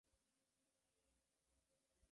Y, por entonces, rodó asimismo en Arabia Saudita.